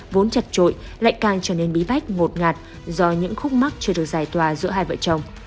vốn chặt trội lại càng trở nên bí bách ngột ngạt do những khúc mắt chưa được giải tòa giữa hai vợ chồng